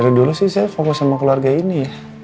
dari dulu sih saya fokus sama keluarga ini ya